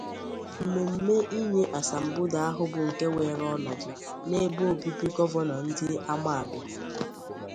Mmemme inye asambodo ahụ bụ nke weere ọnọdụ n'ebe obibi Gọvanọ dị n'Amawbia